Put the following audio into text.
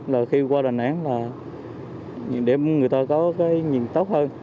là khi qua đà nẵng là để người ta có cái nhìn tốt hơn